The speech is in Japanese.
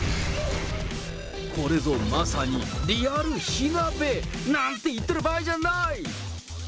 これぞ、まさにリアル火鍋、なんて言ってる場合じゃない！